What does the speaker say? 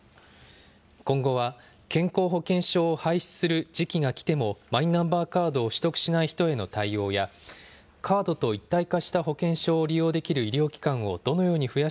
今後は、健康保険証を廃止する時期が来ても、マイナンバーカードを取得しない人への対応や、カードと一体化した保険証を利用できる医療機関をどのように増や